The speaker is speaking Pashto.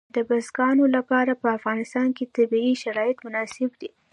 د بزګانو لپاره په افغانستان کې طبیعي شرایط مناسب دي.